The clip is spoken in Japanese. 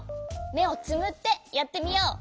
めをつむってやってみよう。